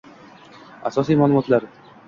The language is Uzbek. Asosiy ma’lumotlar